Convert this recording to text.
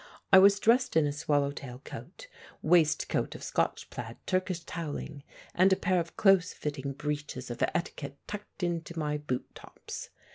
I was dressed in a swallow tail coat, waistcoat of Scotch plaid Turkish toweling, and a pair of close fitting breeches of etiquette tucked into my boot tops.